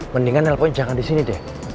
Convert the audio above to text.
mendingan nelpon jangan di sini deh